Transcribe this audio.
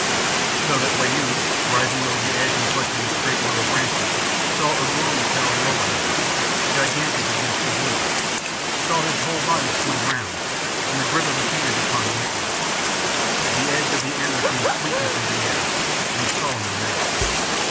So that Wau, rising over the edge and clutching the straight willow branches, saw Ugh lomi towering over him, gigantic against the blue; saw his whole body swing round, and the grip of his hands upon the antler. The edge of the antler came sweeping through the air, and he saw no more.